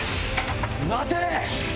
待て！